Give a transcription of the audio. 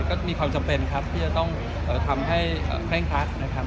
ก็มีความจำเป็นครับที่จะต้องทำให้เคร่งครัดนะครับ